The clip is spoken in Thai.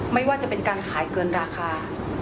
ไม่ว่าจะเป็นการขายเกินราคา